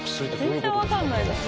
全然分かんないですよ。